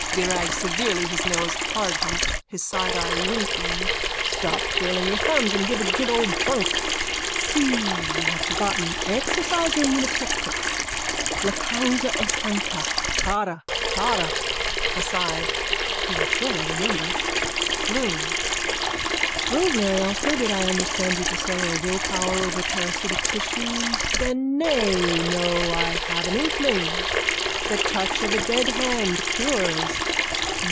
VIRAG: (Severely, his nose hardhumped, his side eye winking.) Stop twirling your thumbs and have a good old thunk. See, you have forgotten. Exercise your mnemotechnic. La causa è santa. Tara. Tara. (Aside.) He will surely remember. BLOOM: Rosemary also did I understand you to say or willpower over parasitic tissues. Then nay no I have an inkling. The touch of a deadhand cures.